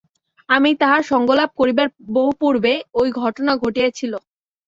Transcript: আমি তাঁহার সঙ্গলাভ করিবার বহু পূর্বে ঐ ঘটনা ঘটিয়াছিল।